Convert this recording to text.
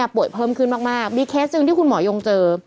เพิ่มขึ้นมากมีเคสหนึ่งที่คุณหมอยงเจอ